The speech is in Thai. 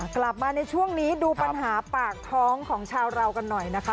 กลับมาในช่วงนี้ดูปัญหาปากท้องของชาวเรากันหน่อยนะคะ